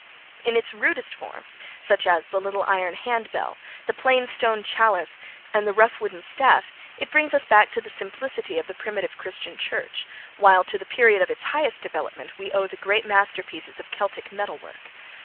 In its rudest forms, such as the little iron hand bell, the plain stone chalice and the rough wooden staff, it brings us back to the simplicity of the primitive Christian Church, while to the period of its highest development we owe the great masterpieces of Celtic metal work.